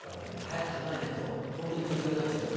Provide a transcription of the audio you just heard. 早く考えないとホントに卒業になっちゃうよ。